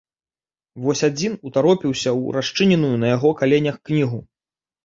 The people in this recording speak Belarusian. Вось адзін утаропіўся ў расчыненую на яго каленях кнігу.